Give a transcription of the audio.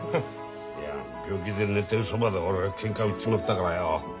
いや病気で寝てるそばで俺がけんか売っちまったからよ。